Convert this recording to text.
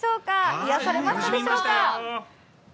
癒やされましたでしょうか。